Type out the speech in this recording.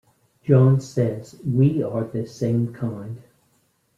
John says We are the same kind.